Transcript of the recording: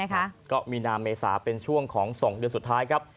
ก็มีนาเมษาเป็นช่วงของ๒เดือนสุดท้ายครับ